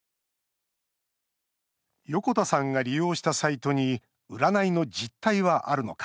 横田さんが利用したサイトに占いの実態はあるのか。